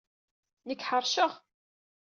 Nekk ḥeṛceɣ.